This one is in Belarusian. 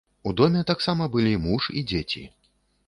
У доме таксама былі муж і дзеці.